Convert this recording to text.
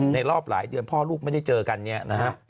รอบหลายเดือนพ่อลูกไม่ได้เจอกันเนี่ยนะฮะ